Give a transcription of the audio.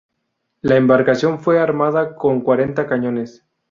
La embarcación fue armada con cuarenta cañones.